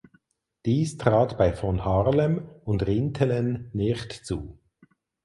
Dies traf bei von Harlem und Rintelen nicht zu.